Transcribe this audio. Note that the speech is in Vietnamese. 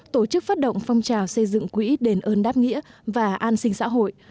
tổ chức phát động phong trào xây dựng quỹ đền ơn đáp nghĩa và an sinh xã hội